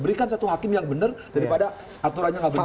berikan satu hakim yang benar daripada aturannya nggak benar